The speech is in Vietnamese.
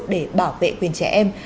để bảo vệ quyền trẻ em